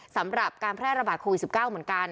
สำหรับการแพร่ระบาดโควิด๑๙เหมือนกัน